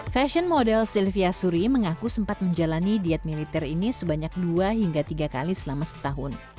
fashion model sylvia suri mengaku sempat menjalani diet militer ini sebanyak dua hingga tiga kali selama setahun